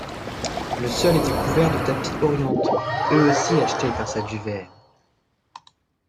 Le sol était couvert de tapis orientaux, eux aussi achetés grâce à Duveen.